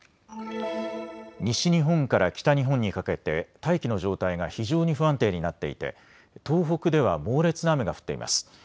西日本から北日本にかけて大気の状態が非常に不安定になっていて東北では猛烈な雨が降っています。